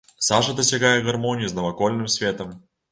Саша дасягае гармоніі з навакольным светам.